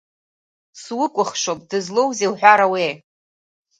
Сукәыхшоуп, дызлоузеи уҳәарауеи?